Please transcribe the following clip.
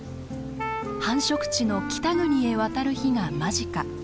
繁殖地の北国へ渡る日が間近。